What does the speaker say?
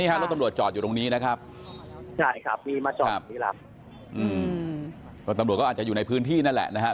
รถตำรวจจอดอยู่ตรงนี้นะครับตำรวจก็อาจจะอยู่ในพื้นที่นั่นแหละนะครับ